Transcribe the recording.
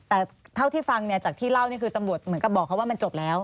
แต่เท่าที่ฟังจากที่เล่านี่คือตำรวจเหมือนกับบอกเขาว่ามันจบแล้ว